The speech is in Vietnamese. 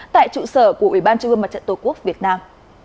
tại trụ sở của ubnd tổ quốc việt nam